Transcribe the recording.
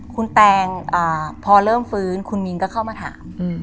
คุณแตงพอเริ่มฟื้นคุณมินก็เข้ามาถาม